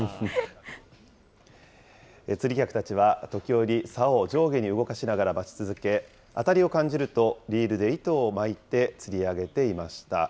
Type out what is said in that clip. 釣り客たちは時折、さおを上下に動かしながら待ち続け、当たりを感じると、リールで糸を巻いて、釣り上げていました。